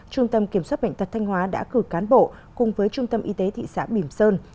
trung tâm kiểm soát bệnh tật thanh hóa đã cử cán bộ cùng với trung tâm y tế thị xã bìm sơn